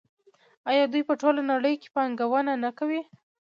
آیا دوی په ټوله نړۍ کې پانګونه نه کوي؟